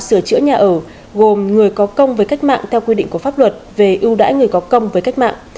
sửa chữa nhà ở gồm người có công với cách mạng theo quy định của pháp luật về ưu đãi người có công với cách mạng